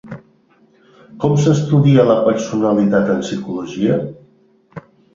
Com s'estudia la personalitat en psicologia?